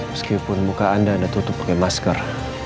meskipun muka anda ditutup pakai masker